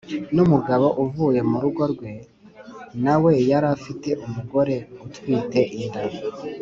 N umugabo uvuye mu rugo rwe na we yari afite umugore utwite inda